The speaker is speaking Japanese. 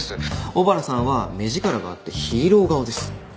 小原さんは目力があってヒーロー顔です。